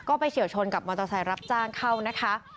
ก็ไปเฉียวชนกับมอเตอร์ไซค์รับจ้างเข้านะคะ